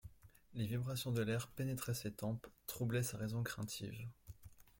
Les vibrations de l'air pénétraient ses tempes, troublaient sa raison craintive.